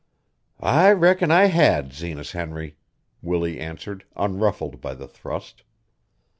"I reckon I had, Zenas Henry," Willie answered, unruffled by the thrust.